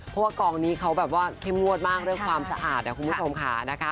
เพราะว่ากองนี้เขาแบบว่าเข้มงวดมากเรื่องความสะอาดนะคุณผู้ชมค่ะนะคะ